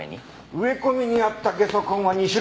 植え込みにあったゲソ痕は２種類。